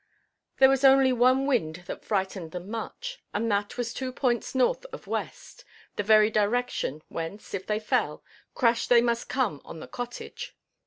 There was only one wind that frightened them much, and that was two points north of west, the very direction whence, if they fell, crash they must come on the cottage.